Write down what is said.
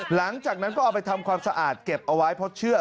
หลังจากนั้นก็เอาไปทำความสะอาดเก็บเอาไว้เพราะเชื่อ